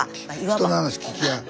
人の話聞きや。